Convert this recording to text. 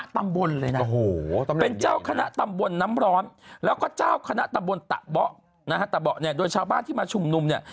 ตะเบาะนะฮะตะเบาะเนี่ยโดยชาวบ้านที่มาชุมนุมเนี่ย